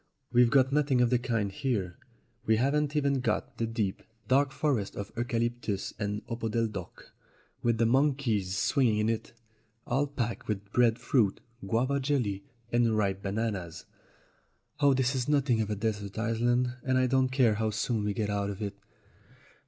We've got nothing of the kind here. We haven't even got the deep, dark forest of eucalyptus and opodeldoc, with the monkeys swinging in it, all packed with bread fruit, guava jelly, and ripe bananas. Oh, this is nothing of a desert island, and I don't care how soon we get out of it